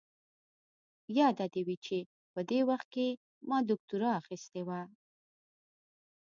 ياده دې وي چې په دې وخت کې ما دوکتورا اخيستې وه.